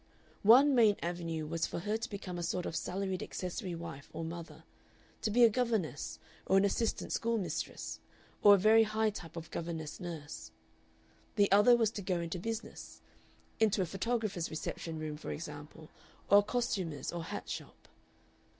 One main avenue was for her to become a sort of salaried accessory wife or mother, to be a governess or an assistant schoolmistress, or a very high type of governess nurse. The other was to go into business into a photographer's reception room, for example, or a costumer's or hat shop.